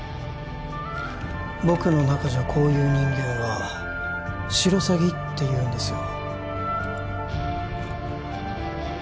僕の中じゃこういう人間はシロサギっていうんですよ